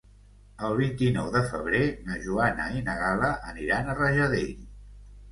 El vint-i-nou de febrer na Joana i na Gal·la aniran a Rajadell.